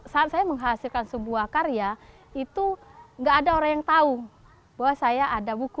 saat saya menghasilkan sebuah karya itu gak ada orang yang tahu bahwa saya ada buku